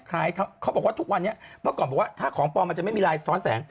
เขาบอกว่าถ้าของปลอมมันจะไม่มีลายสะท้อนแสง